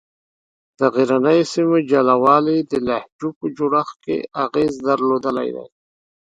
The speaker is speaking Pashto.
د غرنیو سیمو جلا والي د لهجو په جوړښت کې اغېز درلودلی دی.